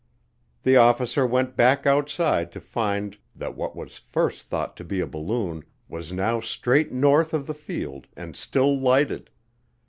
The officer went back outside to find that what was first thought to be a balloon was now straight north of the field and still lighted.